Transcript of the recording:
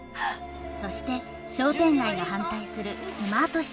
そして商店街が反対するスマートシティ計画。